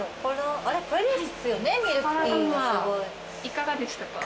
いかがでしたか？